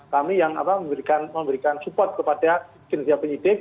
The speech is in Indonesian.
kami yang memberikan support kepada kinerja penyidik